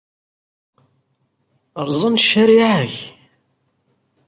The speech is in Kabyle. Rẓan ccariɛa-k!